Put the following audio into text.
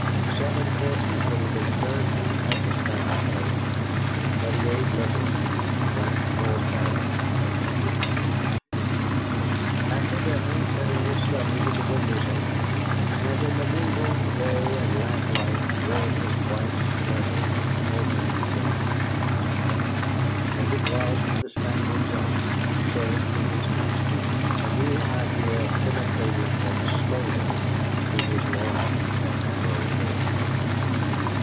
Seven courses would have been served him had the sky fallen; but he ate little, and drank more claret than was his wont. After dinner he sat in his study with the windows open, and in the mingled day and lamp light read his wife's letter over again. As it was with the spaniel John, so with his master a new idea penetrated but slowly into his long and narrow head.